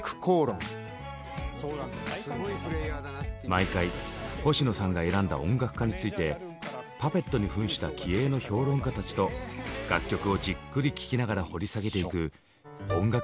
毎回星野さんが選んだ音楽家についてパペットに扮した気鋭の評論家たちと楽曲をじっくり聴きながら掘り下げていく音楽